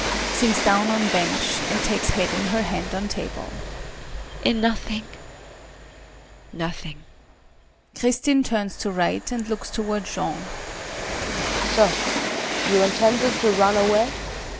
[Sinks down on bench, and takes head in her hand on table.] In nothing nothing! KRISTIN [Turns to R. and looks toward Jean]. So you intended to run away?